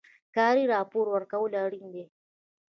کاري راپور ورکول اړین دي